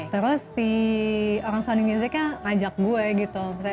terus si orang sony musicnya ngajak gue gitu